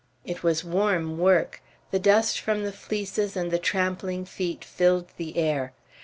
It was warm work. The dust from the fleeces and the trampling feet filled the air.